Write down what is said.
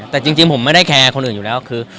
แต่จริงผมไม่ได้แคร์คนอื่นอยู่แล้วคือ